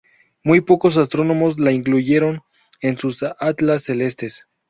Muy pocos astrónomos la incluyeron en sus atlas celestes.